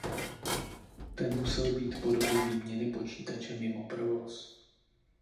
Ten musel být po dobu výměny počítače mimo provoz.